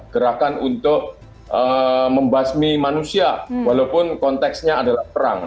gerakan untuk membasmi manusia walaupun konteksnya adalah perang